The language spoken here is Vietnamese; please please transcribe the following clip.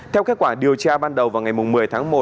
theo kết quả điều tra ban đầu vào ngày một mươi tháng một